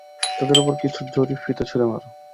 তাদের উপর কিছু জড়ি-ফিতা ছুঁড়ে মার।